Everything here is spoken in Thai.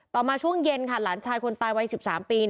มาช่วงเย็นค่ะหลานชายคนตายวัย๑๓ปี